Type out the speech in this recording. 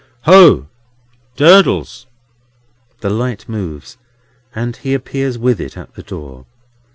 "Ho! Durdles!" The light moves, and he appears with it at the door.